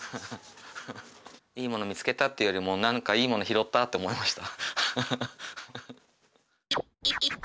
いいもの見つけたっていうよりも何かいいもの拾ったって思いました。